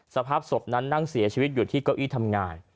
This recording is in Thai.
สภาพศพนั้นนั่งเสียชีวิตอยู่ที่เก้าอี้ทำงาน